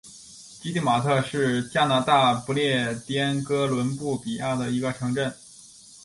基蒂马特是加拿大不列颠哥伦比亚省的一个城镇。